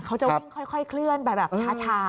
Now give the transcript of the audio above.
เขาจะวิ่งค่อยเคลื่อนไปแบบช้า